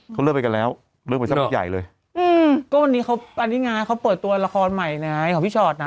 เขาเลิกไปกันแล้วเลิกไปสักพักใหญ่เลยอืมก็วันนี้เขาอันนี้ไงเขาเปิดตัวละครใหม่ไงของพี่ชอตนะ